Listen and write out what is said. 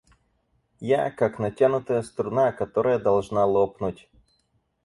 Я — как натянутая струна, которая должна лопнуть.